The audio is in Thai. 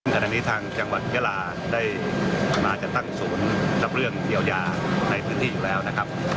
ขณะนี้ทางจังหวัดยาลาได้มาจัดตั้งศูนย์รับเรื่องเยียวยาในพื้นที่อยู่แล้วนะครับ